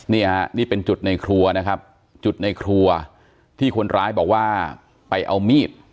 นี่ฮะนี่เป็นจุดในครัวนะครับจุดในครัวที่คนร้ายบอกว่าไปเอามีด